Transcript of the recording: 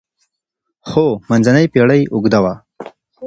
خو منځنۍ پېړۍ اوږده وه.